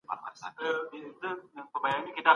پخوا خلګو د فقر په اړه څه فکر کاوه؟